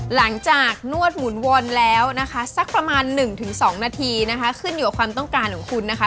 หลังจากนวดหมุนวนแล้วนะคะสักประมาณหนึ่งถึงสองนาทีนะคะขึ้นอยู่กับความต้องการของคุณนะคะ